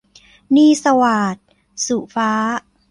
หนี้สวาท - สุฟ้า